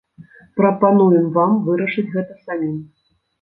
Прапануем вам вырашыць гэта самім.